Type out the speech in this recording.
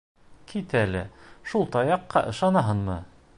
Кит әле, шул таяҡҡа ышанаһыңмы?